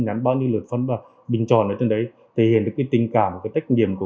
nhắn bao nhiêu lượt phân bằng bình tròn ở trên đấy thể hiện được tình cảm và trách nhiệm của